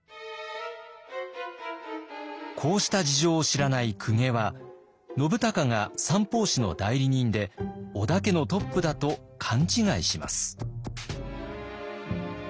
こうした事情を知らない公家は信孝が三法師の代理人で織田家のトップだと勘違いします。